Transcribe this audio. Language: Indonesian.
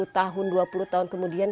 sepuluh tahun dua puluh tahun kemudian